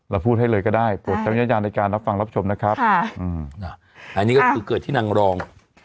พูดให้เลยก็ได้โปรดใช้วิจารณญาณในการรับฟังรับชมนะครับอันนี้ก็คือเกิดที่นางรอง